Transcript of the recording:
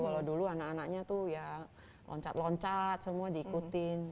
kalau dulu anak anaknya tuh ya loncat loncat semua diikutin